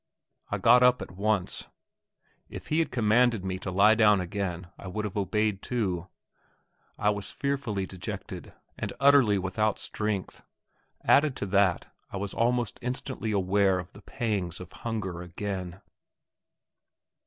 I got up at once; if he had commanded me to lie down again I would have obeyed too. I was fearfully dejected, and utterly without strength; added to that, I was almost instantly aware of the pangs of hunger again.